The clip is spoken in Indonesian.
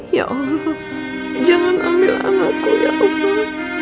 ya allah jangan ambil anakku ya allah